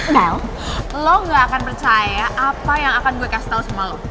mel lu gak akan percaya apa yang akan gue kasih tau sama lu